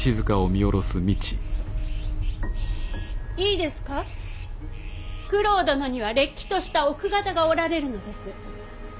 いいですか九郎殿にはれっきとした奥方がおられるのです。